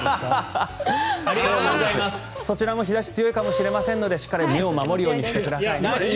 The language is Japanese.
そちらも日差しが強いかもしれませんのでしっかり守ってください。